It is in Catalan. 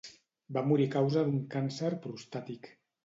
Va morir a causa d'un càncer prostàtic.